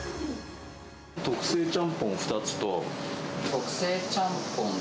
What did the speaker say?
特製ちゃんぽん２つと。